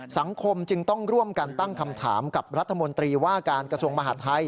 สังคมจึงต้องร่วมกันตั้งคำถามกับรัฐมนตรีว่าการกระทรวงมหาดไทย